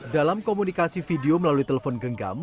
dalam komunikasi video melalui telepon genggam